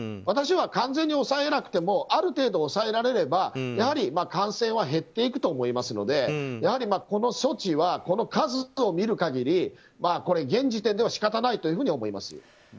私は完全に抑えなくてもある程度、抑えられれば感染は減っていくと思いますのでやはりこの措置はこの数を見る限り現時点では仕方ないと思います。